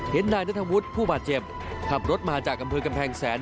เห็นนายนัทธังวุฒิผู้บาดเจ็บขับรถมาจากกำพื้นกำแพงแสน